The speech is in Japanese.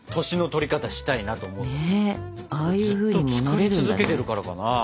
ずっと作り続けてるからかな。